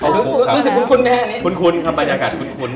รู้สึกคุ้นไหมฮะอันนี้คุ้นครับบรรยากาศคุ้น